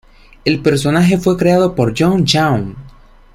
El personaje fue creado por John Young.